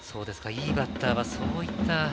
いいバッターはそういった。